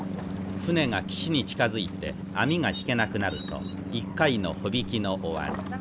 船が岸に近づいて網が引けなくなると一回の帆引きの終わり。